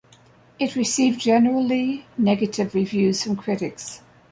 It received generally negative reviews from critics.